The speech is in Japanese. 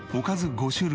５種類？